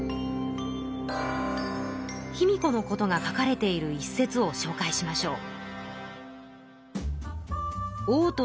卑弥呼のことが書かれている一節をしょうかいしましょう。